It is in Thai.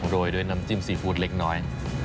โรยด้วยน้ำจิ้มซีฟู้ดเล็กน้อย